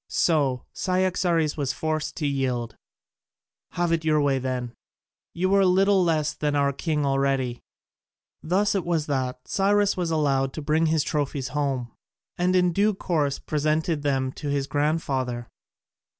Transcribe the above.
So Cyaxares was forced to yield: "Have it your own way then, you are little less than our king already." Thus it was that Cyrus was allowed to bring his trophies home, and in due course presented them to his grandfather.